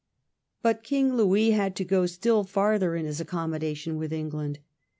But King Louis had to go still farther in his accommodation with England.